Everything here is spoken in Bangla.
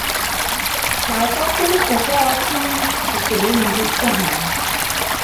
তারপর তিনি উপ-অর্থমন্ত্রী হিসেবে নিযুক্ত হন।